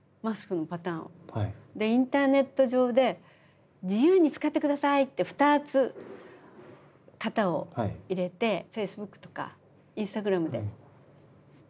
インターネット上で「自由に使ってください」って２つ型を入れてフェイスブックとかインスタグラムで「勝手に使っていいですよ」。